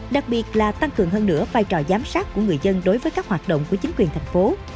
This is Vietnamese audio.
đặc biệt là tăng cường hơn nữa vai trò giám sát của người dân đối với các hoạt động của chính quyền thành phố